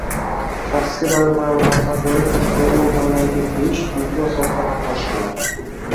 Shaxsga doir ma’lumotlarni davlat boshqaruvi organlariga berish bepul asosda amalga oshiriladi.